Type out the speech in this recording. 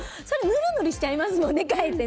ぬるぬるしちゃいますもんね。